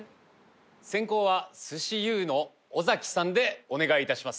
先攻は鮨由うの尾崎さんでお願いいたします